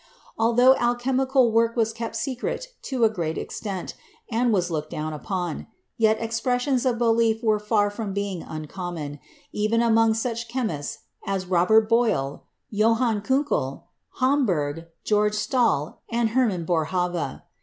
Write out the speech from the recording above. Altho alchemical work was kept secret to a great extent and was looked down upon, yet expressions of belief were far from being un common, even among such chemists as Robert Boyle, Johann Kunckel, Homberg, George Stahl and Hermann Boerhaave.